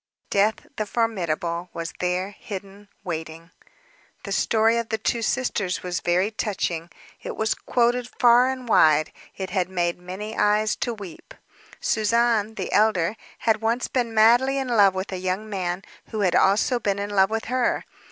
Death, the formidable, was there, hidden, waiting. The story of the two sisters was very touching. It was quoted far and wide; it had made many eyes to weep. Suzanne, the elder, had once been madly in love with a young man, who had also been in love with her.